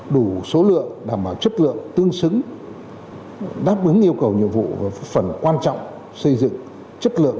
đủ số lượng đảm bảo chất lượng tương xứng đáp ứng yêu cầu nhiệm vụ và phần quan trọng xây dựng chất lượng